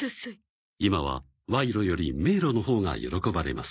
今はワイロより迷路のほうが喜ばれます。